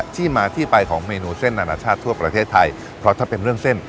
ที่มาที่ไปของเมนูเส้นอนาชาติทั่วประเทศไทยเพราะถ้าเป็นเรื่องเส้น